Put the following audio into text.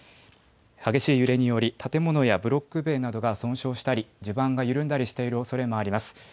激しい揺れにより建物やブロック塀などが損傷したり、地盤が緩んだりしているおそれもあります。